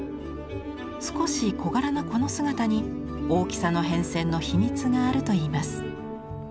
少し小柄なこの姿に大きさの変遷の秘密があるといいます。